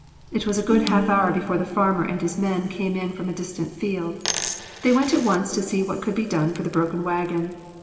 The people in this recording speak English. It was a good half hour before the farmer and his men came in from a distant field. They went at once to see what could be done for the broken wagon.